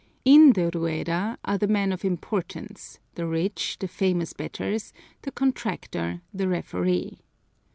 In the Rueda are the men of importance, the rich, the famous bettors, the contractor, the referee.